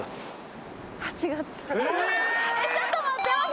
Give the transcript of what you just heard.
ちょっと待って。